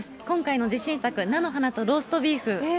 今回の自信作、菜の花とローストビーフ。